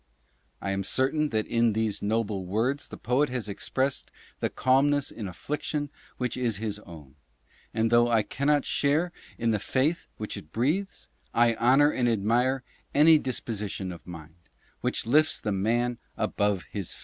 I am certain that in these noble words the poet has expressed the calmness in affliction which is his own, and though I cannot share in the faith which it breathes, I honor and admire any dis position of mind which lifts the maa above his fate.